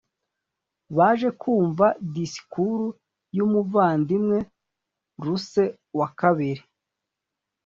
baje kumva disikuru y umuvandimwe russell